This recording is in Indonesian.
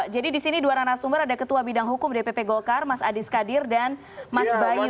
jadi di sini dua orang nasumber ada ketua bidang hukum dpp gokar mas adis kadir dan mas bayu